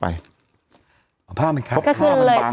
แต่หนูจะเอากับน้องเขามาแต่ว่า